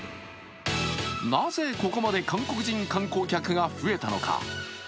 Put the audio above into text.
なぜここまで韓国人観光客が増えたのか？